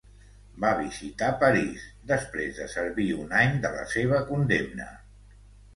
Va visitar París, després de servir un any de la seva condemna.